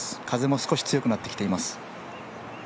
風も少し強くなっています。